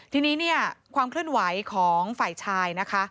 ทีนี้ความเคลื่อนไหวของฝ่ายชาย